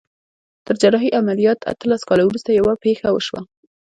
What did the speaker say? تر جراحي عمليات اتلس کاله وروسته يوه پېښه وشوه.